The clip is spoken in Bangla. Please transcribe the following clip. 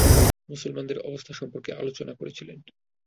মুসলমানদের অবস্থা সম্পর্কে আলোচনা করছিলেন।